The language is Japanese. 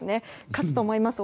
勝つと思います。